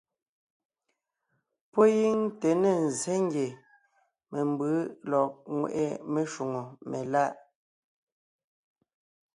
Pɔ́ gíŋ te ne ńzsé ngie membʉ̌ lɔg ńŋweʼe meshwóŋè meláʼ.